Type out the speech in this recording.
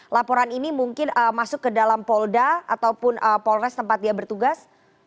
laporan ini mungkin masuk ke dalam polda ataupun polres tempat dia bertugas